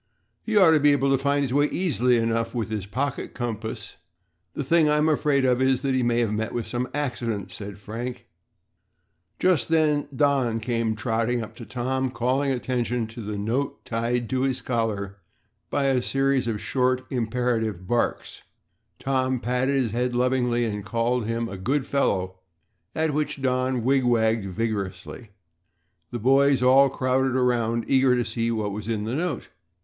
"He ought to be able to find his way easily enough with his pocket compass. The thing I'm afraid of is that he may have met with some accident," said Frank. Just then Don came trotting up to Tom, calling attention to the note tied to his collar by a series of short, imperative barks. Tom patted his head lovingly and called him a "good fellow" at which Don wig wagged vigorously. The boys all crowded around, eager to see what was in the note.